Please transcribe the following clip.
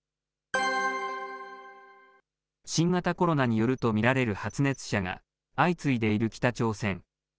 新型コロナによると見られる発熱者が相次いでいる北朝鮮。